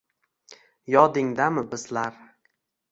Yodingdami, bizlar